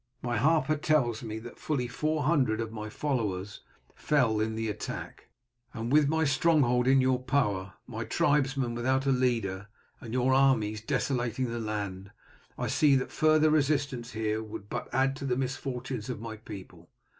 My harper tells me that fully four hundred of my followers fell in the attack, and with my stronghold in your power, my tribesmen without a leader, and your armies desolating the land, I see that further resistance here would but add to the misfortunes of my people.